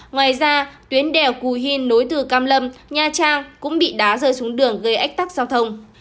ngoài ra tuyến đèo cù hìn nối từ cam lâm nha trang cũng bị đá rơi xuống đường gây ách tắc giao thông